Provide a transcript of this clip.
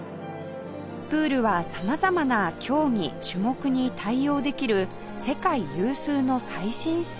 プールは様々な競技・種目に対応できる世界有数の最新施設